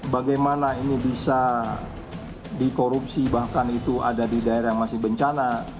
bagaimana ini bisa dikorupsi bahkan itu ada di daerah yang masih bencana